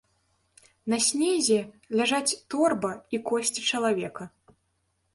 На снезе ляжаць торба і косці чалавека.